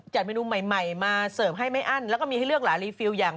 เมนูใหม่มาเสิร์ฟให้ไม่อั้นแล้วก็มีให้เลือกหลายรีฟิลอย่าง